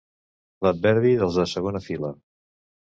L'adverbi dels de segona fila.